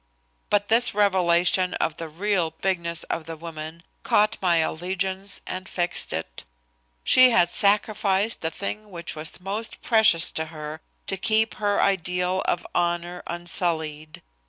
But this revelation of the real bigness of the woman caught my allegiance and fixed it. She had sacrificed the thing which was most precious to her to keep her ideal of honor unsullied.